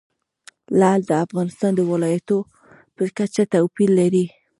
لعل د افغانستان د ولایاتو په کچه توپیر لري.